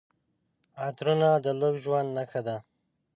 عطرونه د لوکس ژوند نښه ده.